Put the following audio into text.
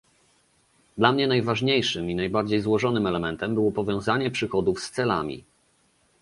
Dla mnie najważniejszym i najbardziej złożonym elementem było powiązanie przychodów z celami